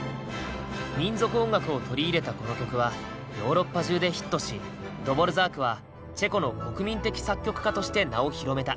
民族音楽を取り入れたこの曲はヨーロッパ中でヒットしドヴォルザークはチェコの国民的作曲家として名を広めた。